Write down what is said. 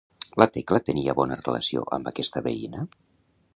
La Tecla tenia bona relació amb aquesta veïna?